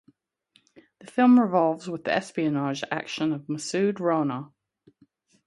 The film revolves with the espionage action of Masud Rana.